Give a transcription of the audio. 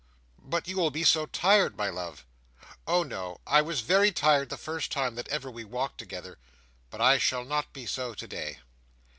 "But you will be so tired, my love." "Oh no! I was very tired the first time that we ever walked together, but I shall not be so today."